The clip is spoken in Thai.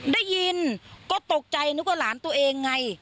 ได้ยินก็ตกใจนึกว่าหลานตัวเองไง